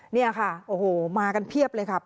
นี่ค่ะโอ้โหมากันเพียบเลยครับ